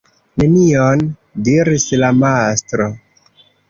"Nenion?" diris la mastro.